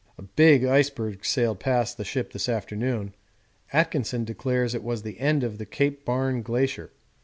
A big iceberg sailed past the ship this afternoon. Atkinson declares it was the end of the Cape Barne Glacier.